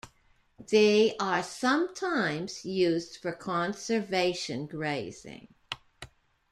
They are sometimes used for conservation grazing.